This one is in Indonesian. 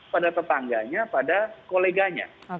pada tetangganya pada koleganya